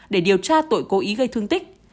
để điều tra tội cố ý gây thương tích